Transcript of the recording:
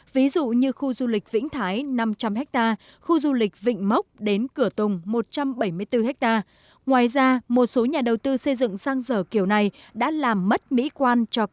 ví dụ như khu du lịch cửa việt tỉnh quảng trị quy hoạch rất nhiều khu du lịch